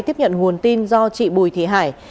tiếp nhận nguồn tin do chị bùi thị hải